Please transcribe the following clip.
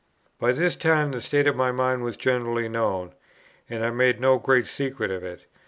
By this time the state of my mind was generally known, and I made no great secret of it.